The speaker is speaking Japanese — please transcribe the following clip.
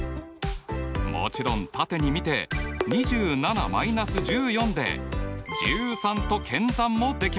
もちろん縦に見て２７−１４で１３と検算もできます！